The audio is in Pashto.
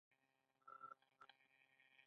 په پانګوالي نظام کې کار او تولید ټولنیز وي